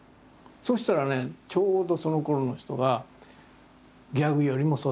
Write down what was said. そうしたらねちょうどそのころの人がギャグよりもそっちのほうにいって。